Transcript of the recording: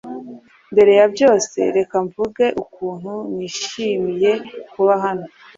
Mbere ya byose, reka mvuge ukuntu nishimiye kuba hano.